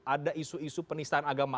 ada isu isu penistaan agama